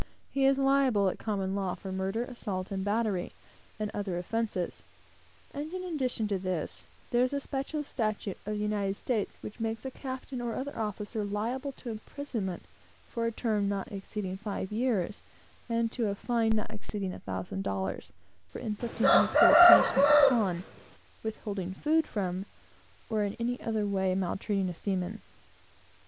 He is liable at common law for murder, assault and battery, and other offences; and in addition to this, there is a special statute of the United States which makes a captain or other officer liable to imprisonment for a term not exceeding five years, and to a fine not exceeding a thousand dollars, for inflicting any cruel punishment upon, withholding food from, or in any other way maltreating a seaman.